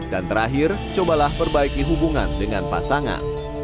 dan terakhir cobalah perbaiki hubungan dengan pasangan